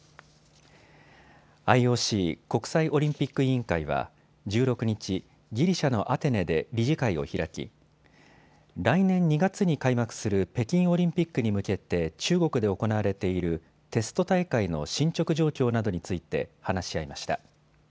ＩＯＣ・国際オリンピック委員会は１６日、ギリシャのアテネで理事会を開き来年２月に開幕する北京オリンピックに向けて中国で行われているテスト大会の進捗状況などについて話し合いました。